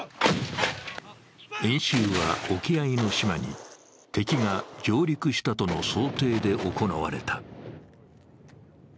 演習は沖合の島に敵が上陸したとの想定で行われた。